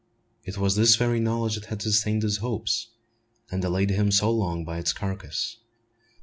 It was this very knowledge that had sustained his hopes, and delayed him so long by its carcass.